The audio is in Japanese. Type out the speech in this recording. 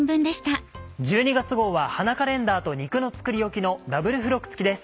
１２月号は花カレンダーと肉の作りおきのダブル付録付きです。